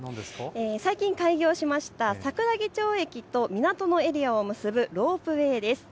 最近、開業しました桜木町駅と港のエリアを結ぶロープウエーです。